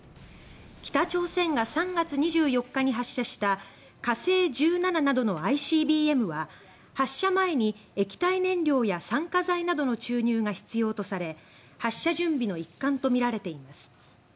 北朝鮮が３月２４日に発射した火星１７などのＩＣＢＭは発射前に液体燃料や酸化剤などの注入が必要とされ、発射準備の一環とみられています。